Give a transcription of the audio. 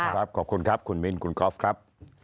ครับขอบคุณครับคุณมินทร์คุณกอล์ฟครับ